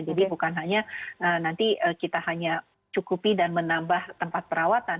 jadi bukan hanya nanti kita hanya cukupi dan menambah tempat perawatan